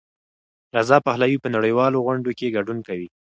رضا پهلوي په نړیوالو غونډو کې ګډون کوي.